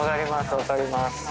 分かります